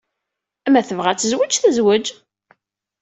Ma tebɣa ad tezweǧ, tezweǧ.